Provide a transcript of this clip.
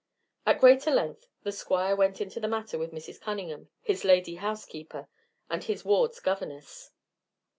At greater length the Squire went into the matter with Mrs. Cunningham, his lady housekeeper, and his ward's governess.